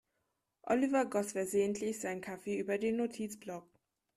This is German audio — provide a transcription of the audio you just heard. Oliver goss versehentlich seinen Kaffee über den Notizblock.